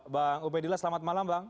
bang ubedillah selamat malam bang